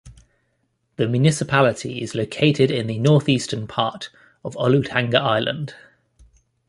The municipality is located in the northeastern part of Olutanga Island.